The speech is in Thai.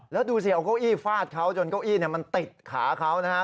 แล้วดูสิเอาเก้าอี้ฟาดเขาจนเก้าอี้มันติดขาเขานะฮะ